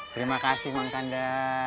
terima kasih bang kanda